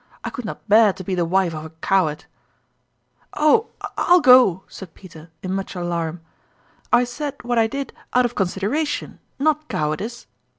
I could not bear to be the wife of a coward !"" Oh, I'll go !" said Peter, in much alarm. " I said what I did out of consideration, not cowardice.